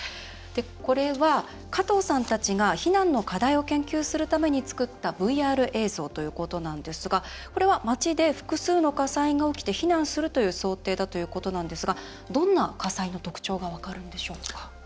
これは加藤さんたちが避難の課題を研究するために作ったＶＲ映像ということなんですがこれは街で複数の火災が起きて避難するという想定だということですがどんな火災の特徴が分かるんでしょうか。